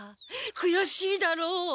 くやしいだろう？